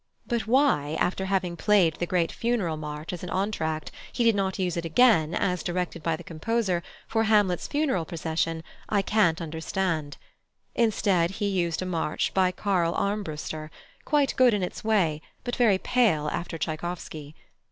But why, after having played the great funeral march as an entr'acte, he did not use it again, as directed by the composer, for Hamlet's funeral procession, I can't understand. Instead, he used a march by +Carl Armbruster+, quite good in its way, but very pale after Tschaikowsky.